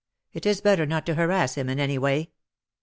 It is better not to harass him in any way.